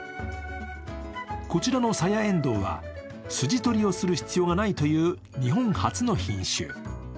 こちらのサヤエンドウはすじ取りをする必要がないという日本初の品種。